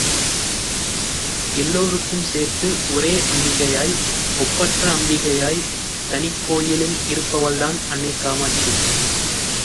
எல்லோருக்கும் சேர்த்து ஒரே அம்பிகையாய், ஒப்பற்ற அம்பிகையாய், தனிக் கோயிலில் இருப்பவள்தான் அன்னை காமாட்சி.